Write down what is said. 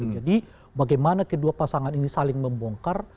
jadi bagaimana kedua pasangan ini saling membongkar